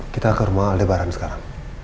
kita ke rumah lebaran sekarang